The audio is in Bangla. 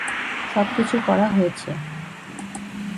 সবকিছু করা হয়েছে।